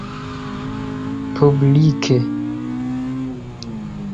publike